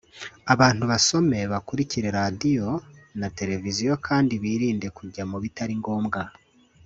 Abantu basome bakurikire radio na Televiziyo kandi birinde kujya mu bitari ngombwa